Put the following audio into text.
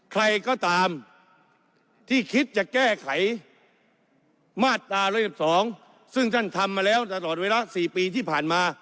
ใครก็ตามที่คิดจะแก้ไขมาตรา๑๑๒ซึ่งท่านทำมาแล้วตลอดเวลา๔ปีที่ผ่านมา